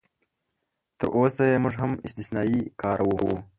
تراوسه یې موږ هم استثنایي کاروو.